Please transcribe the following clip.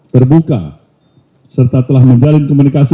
terbuka serta telah menjalin komunikasi